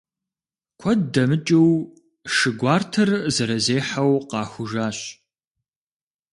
Куэд дэмыкӀыу, шы гуартэр зэрызехьэу къахужащ.